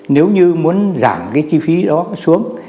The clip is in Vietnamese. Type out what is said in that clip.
nếu như muốn giảm cái chi phí đó xuống